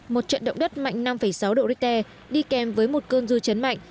một trận động đất mạnh năm sáu độ richter đi kèm với một cơn dư chấn mạnh